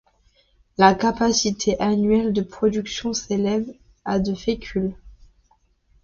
La capacité annuelle de production s'élève à de fécule.